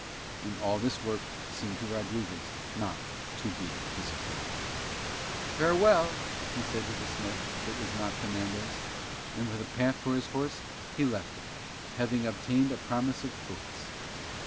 And all this work seemed to Rodriguez not to be his affair. "Farewell," he said to the smith that was not Fernandez; and with a pat for his horse he left it, having obtained a promise of oats.